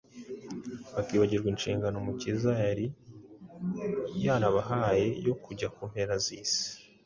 bakibagirwa inshingano Umukiza yari yarabahaye yo kujya ku mpera z’isi.